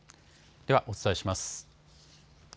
ではお伝えします。